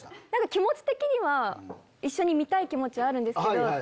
気持ち的には一緒に見たい気持ちはあるんですけど。